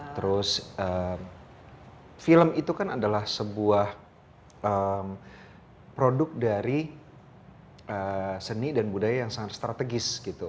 terus film itu kan adalah sebuah produk dari seni dan budaya yang sangat strategis gitu